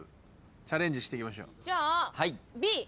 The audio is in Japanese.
チャレンジしていきましょう。